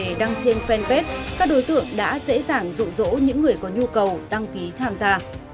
các đối tượng đã dễ dàng dụ dỗ những người có nhu cầu đăng ký tham gia